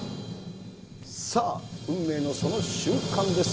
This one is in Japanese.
さあ、運命のその瞬間です。